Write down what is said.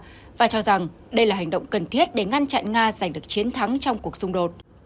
và cho rằng đây là hành động cần thiết để ngăn chặn nga giành được chiến thắng trong cuộc xung đột